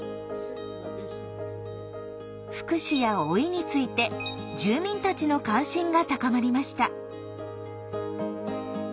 「福祉」や「老い」について住民たちの関心が高まりました。